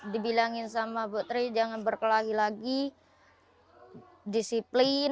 dibilangin sama bu tri jangan berkelahi lagi disiplin